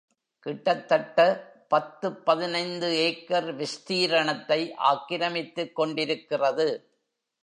கிட்டத்தட்ட பத்துப் பதினைந்து ஏக்கர் விஸ்தீரணத்தை ஆக்கிரமித்துக் கொண்டிருக்கிறது.